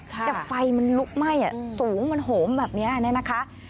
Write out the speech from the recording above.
แต่ไฟมันลุกไหม้สูงมันโหมแบบนี้เนี่ยนะคะ